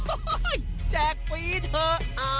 โอ้โหแจกฟรีเถอะ